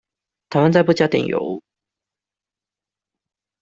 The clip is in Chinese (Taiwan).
台灣再不加點油